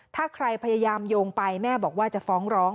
ถ้าใครพยายามโยงไปแม่บอกว่าจะฟ้องร้อง